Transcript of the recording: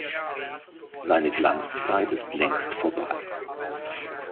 Seine Glanzzeit ist längst vorbei.